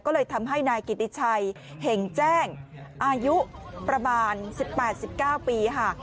ก็เลยทำให้นายกิติชัยเห็งแจ้งอายุประมาณ๑๘๑๙ปีค่ะ